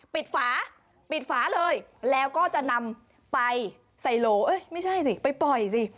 ฝาปิดฝาเลยแล้วก็จะนำไปใส่โหลเอ้ยไม่ใช่สิไปปล่อยสิ